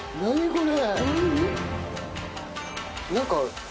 これ。